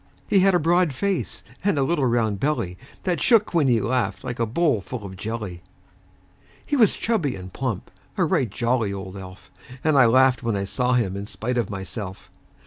He had a broad face, and a little round belly That shook when he laughed, like a bowl full of jelly. He was chubby and plump a right jolly old elf; And I laughed when I saw him in spite of myself.